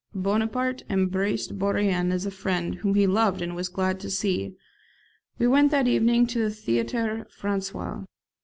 Bonaparte embraced Bourrienne as a friend whom he loved and was glad to see. We went that evening to the Theatre Francais.